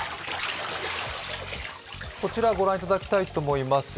こちら御覧いただきたいと思います。